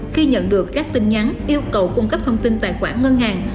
khi nhận được các tin nhắn yêu cầu cung cấp thông tin tài khoản ngân hàng